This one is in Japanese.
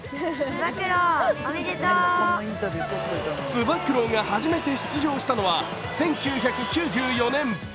つば九郎が初めて出場したのは１９９４年。